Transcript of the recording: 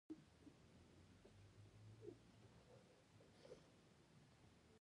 دابه بیا “سیدال” راباسی، دمرګ توره په غجرو